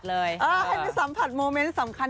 ให้ไปสัมผัสโมเมนต์สำคัญ